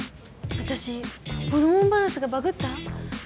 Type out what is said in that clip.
私ホルモンバランスがバグった？